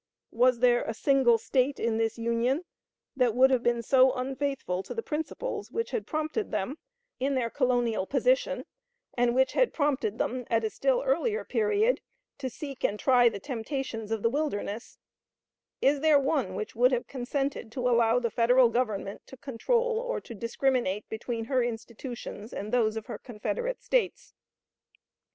Was there a single State in this Union that would have been so unfaithful to the principles which had prompted them in their colonial position, and which had prompted them, at a still earlier period, to seek and try the temptations of the wilderness; is there one which would have consented to allow the Federal Government to control or to discriminate between her institutions and those of her confederate States?